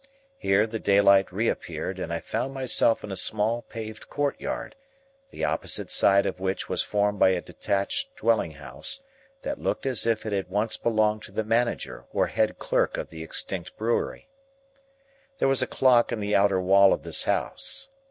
Here, the daylight reappeared, and I found myself in a small paved courtyard, the opposite side of which was formed by a detached dwelling house, that looked as if it had once belonged to the manager or head clerk of the extinct brewery. There was a clock in the outer wall of this house.